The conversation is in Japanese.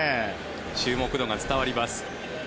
注目度が伝わります。